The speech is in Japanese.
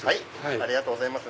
ありがとうございます。